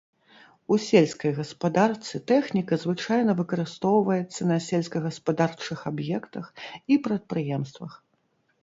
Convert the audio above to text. У сельскай гаспадарцы тэхніка звычайна выкарыстоўваецца на сельскагаспадарчых аб'ектах і прадпрыемствах.